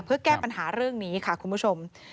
เพื่อแก้ปัญหาเรื่องนี้ค่ะคุณผู้ชม